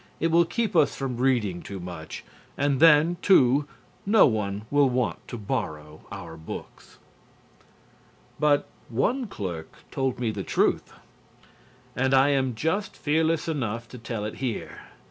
It will keep us from reading too much, and then, too, no one will want to borrow our books. But one clerk told me the truth. And I am just fearless enough to tell it here.